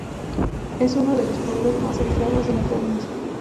Es uno de los pueblos más aislados de la provincia.